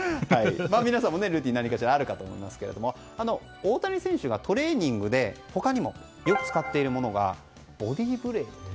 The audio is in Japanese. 皆さんもルーティン何かしらあると思いますけど大谷選手がトレーニングで他にもよく使っているものがボディーブレード。